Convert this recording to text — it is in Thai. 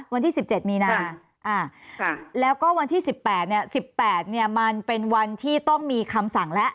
วันที่สิบเจ็ดมีนาอ่ะค่ะแล้วก็วันที่สิบแปดเนี้ยสิบแปดเนี้ยมันเป็นวันที่ต้องมีคำสั่งแล้ว